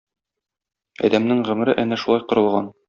Адәмнең гомере әнә шулай корылган.